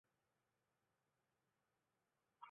自己念了三年高中白白浪费